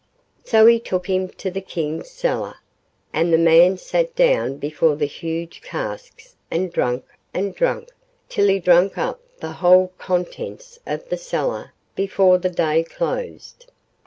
So he took him to the King's cellar, and the man sat down before the huge casks and drank and drank till he drank up the whole contents of the cellar before the day closed.